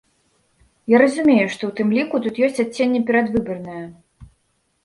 Я разумею, што, у тым ліку, тут ёсць адценне перадвыбарнае.